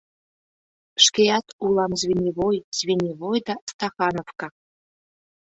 Шкеат улам звеньевой, звеньевой да стахановка.